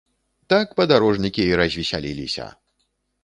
Так падарожнікі й развесяліліся!